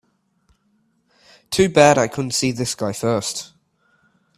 Too bad I couldn't see this guy first.